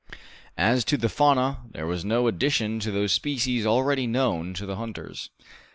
As to the fauna, there was no addition to those species already known to the hunters.